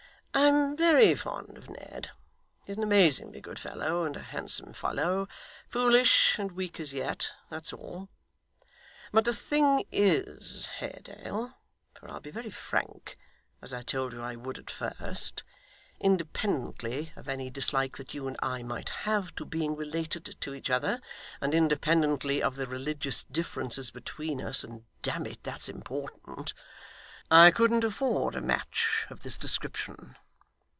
I'm very fond of Ned. He's an amazingly good fellow, and a handsome fellow foolish and weak as yet; that's all. But the thing is, Haredale for I'll be very frank, as I told you I would at first independently of any dislike that you and I might have to being related to each other, and independently of the religious differences between us and damn it, that's important I couldn't afford a match of this description.